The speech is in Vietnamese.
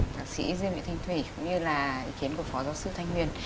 thạc sĩ diêm vị thanh thủy cũng như là ý kiến của phó giáo sư thanh nguyên